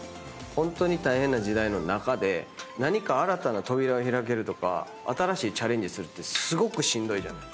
ホントに大変な時代の中で何か新たな扉を開けるとか新しいチャレンジするってすごくしんどいじゃない。